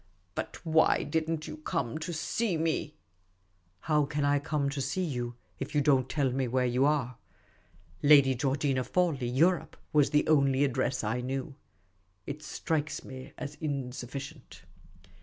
But why did n't you come to see me ?"" How can I come to see you if you don't tell me where you are ?' Lady Georgina Fawley, Europe,' was the only address I knew. It strikes me as insufficient."